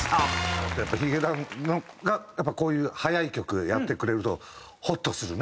やっぱヒゲダンがこういう速い曲やってくれるとホッとするね。